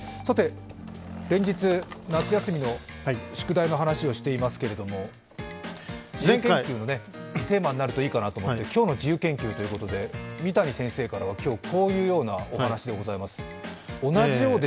連日夏休みの宿題の話をしていますけれども、自由研究のテーマになるといいかなと思って今日の自由研究ということで三谷先生からは、今日、こういうようなお話でございます。